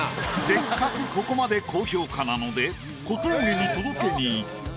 せっかくここまで高評価なので小峠に届けに行った。